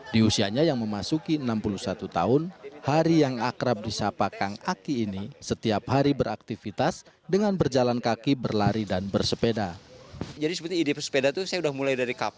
di usianya yang memasuki enam puluh satu tahun hari yang akrab di sapa kang aki ini setiap hari beraktivitas dengan berjalan kaki berlari dan bersepeda